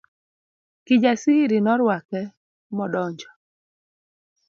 Kijasiri norwake modonjo.